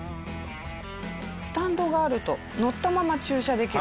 スタンドがあると乗ったまま駐車できる。